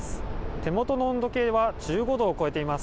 手元の温度計は１５度を超えています。